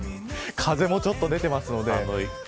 風もちょっと出てますので。